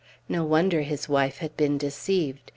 No wonder his wife had been deceived.